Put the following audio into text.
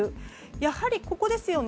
やはりここですよね。